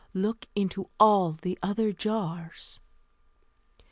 Look into all the other jars."